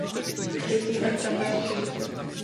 Jezdí tam tramvaje a autobusy.